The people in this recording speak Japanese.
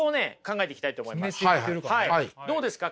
どうですか？